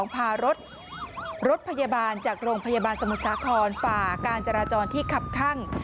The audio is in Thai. พารถรถพยาบาลจากโรงพยาบาลสมุทรสาครฝ่าการจราจรที่คับข้าง